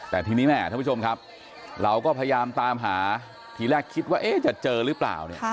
แต่ทีนี้แม่ท่านผู้ชมครับเราก็พยายามตามหาทีแรกคิดว่าจะเจอหรือเปล่าเนี่ย